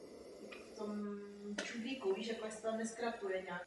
Na východě podél vsi protéká řeka Labe.